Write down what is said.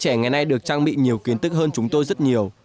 thế hệ trẻ ngày nay được trang bị nhiều kiến thức hơn chúng tôi rất nhiều